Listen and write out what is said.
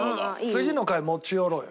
次の会持ち寄ろうよ。